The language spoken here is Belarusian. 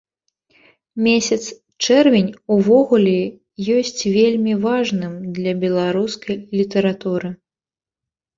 Месяц чэрвень увогуле ёсць вельмі важным для беларускай літаратуры.